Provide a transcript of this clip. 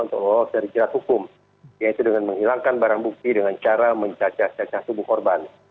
untuk lolos dari jerat hukum yaitu dengan menghilangkan barang bukti dengan cara mencacah cacah tubuh korban